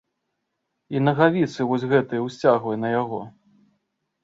І нагавіцы вось гэтыя ўсцягвай на яго.